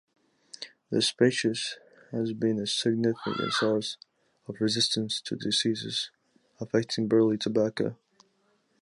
This species has been a significant source of resistance to deceases affecting burley tobacco.